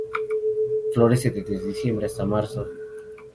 Florece desde diciembre hasta marzo.